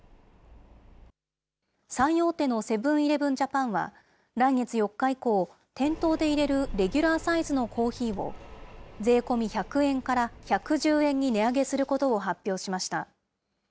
最大手のセブン−イレブン・ジャパンは、来月４日以降、店頭でいれるレギュラーサイズのコーヒーを、税込み１００円から１１０円に値上げすることを発表しました。